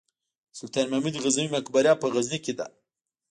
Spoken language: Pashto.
د سلطان محمود غزنوي مقبره په غزني کې ده